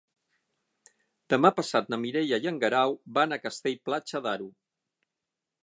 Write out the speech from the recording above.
Demà passat na Mireia i en Guerau van a Castell-Platja d'Aro.